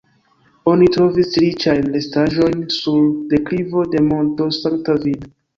Oni trovis riĉajn restaĵojn sur deklivo de monto Sankta Vid.